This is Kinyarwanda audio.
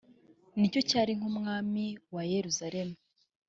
ni cyo cyari nk umwami wa yeruzaremu